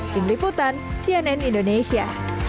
diberi putan cnn indonesia